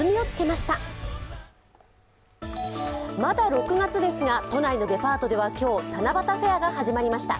まだ６月ですが、都内のデパートでは今日、七夕フェアが始まりました。